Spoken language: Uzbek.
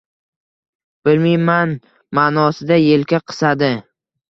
Bilmiman manosida yelka qisadi...